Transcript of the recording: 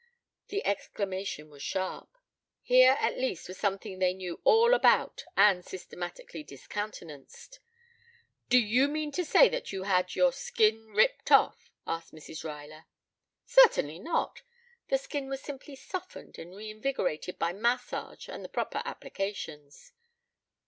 The exclamation was sharp. Here, at least, was something they knew all about and systematically discountenanced. "Do you mean that you had your skin ripped off?" asked Mrs. Ruyler. "Certainly not. The skin was simply softened and reinvigorated by massage and the proper applications."